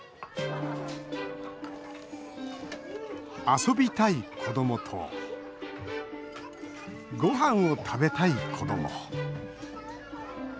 遊びたい子どもとごはんを食べたい子ども。